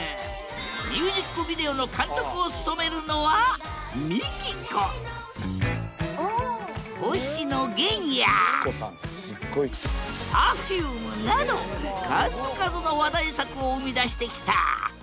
ミュージックビデオの監督を務めるのは星野源やＰｅｒｆｕｍｅなど数々の話題作を生み出してきた。